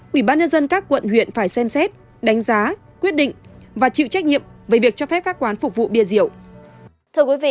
quỹ ban nhân dân các quận huyện phải xem xét đánh giá quyết định và chịu trách nhiệm về việc cho phép các quán phục vụ bia rượu